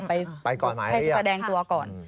ไปก่อนให้แสดงตัวก่อน